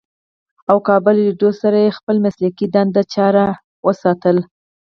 او کابل رېډيو سره ئې خپله مسلکي دنده جاري اوساتله